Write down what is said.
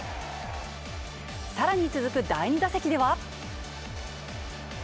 さらに続く第２打席では。